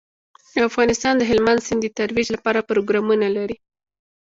افغانستان د هلمند سیند د ترویج لپاره پروګرامونه لري.